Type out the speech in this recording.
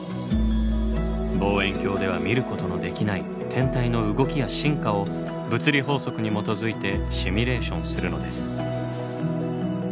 望遠鏡では見ることのできない天体の動きや進化を物理法則に基づいてシミュレーションするのです。